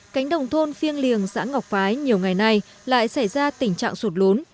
cánh đồng thôn phiêng liềng xã ngọc phái nhiều ngày nay lại xảy ra tình trạng sụt lún